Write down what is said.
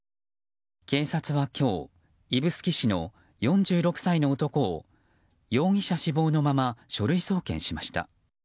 警察は今日指宿市の４６歳の男を容疑者死亡のまま書類送検しました。